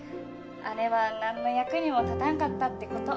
姉は何の役にも立たんかったってこと。